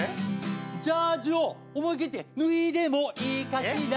「ジャージを思い切って脱いでもいいかしら」